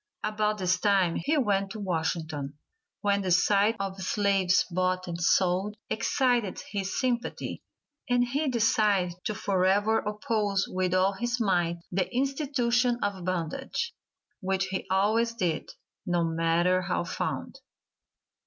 About this time he went to Washington, when the sight of slaves bought and sold excited his sympathy, and he decided to forever oppose with all his might the institution of bondage, which he always did, no matter how found.